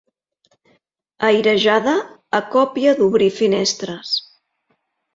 Airejada a còpia d'obrir finestres.